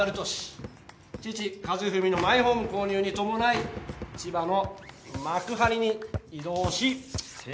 父和史のマイホーム購入に伴い千葉の幕張に移動し定住する。